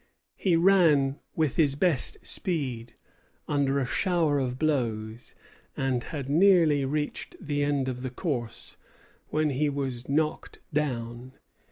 He ran with his best speed, under a shower of blows, and had nearly reached the end of the course, when he was knocked down.